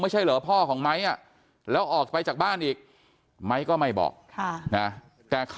ไม่ใช่เหรอพ่อของไม้แล้วออกไปจากบ้านอีกไม้ก็ไม่บอก